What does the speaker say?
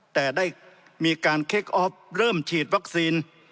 แต่ได้มีการเคคออฟเริ่มฉีดวัคซีน